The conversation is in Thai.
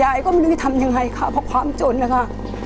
ยายก็ไม่รู้จะทำยังไงค่ะเพราะความจนนะคะ